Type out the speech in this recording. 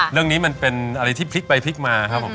เรื่องนี้มันเป็นอะไรที่พลิกไปพลิกมาครับผม